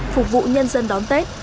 phục vụ nhân dân đón tết